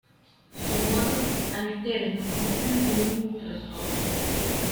Su modo alterno es el de un microscopio.